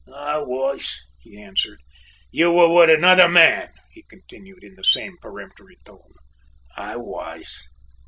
"I was," he answered. "You were with another man," he continued in the same peremptory tone. "I was."